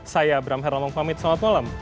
saya bram herlam mengucapkan selamat malam